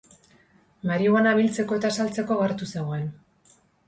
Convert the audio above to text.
Marihuana biltzeko eta saltzeko gertu zegoen.